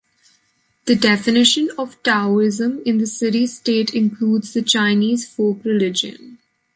The definition of "Taoism" in the city-state includes the Chinese folk religion.